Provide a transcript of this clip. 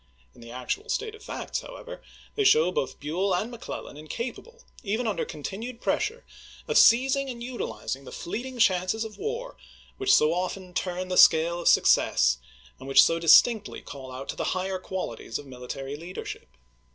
In the actual state of facts, however, they show both Buell and Mc Clellan incapable, even under continued pressure, of seizing and utilizing the fleeting chances of war which so often turn the scale of success, and which so distinctly call out the higher qualities of military leadership.